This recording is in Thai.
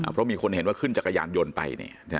เพราะมีคนเห็นว่าขึ้นจักรยานยนต์ไป